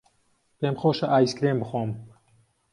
پێم خۆشە ئایسکرێم بخۆم.